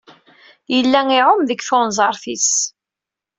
Yella iɛumm deg tunẓart-is.